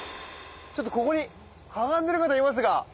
ちょっとここにかがんでる方いますが。